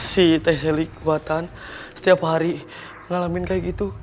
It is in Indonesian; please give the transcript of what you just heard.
si teh selik buatan setiap hari ngalamin kayak gitu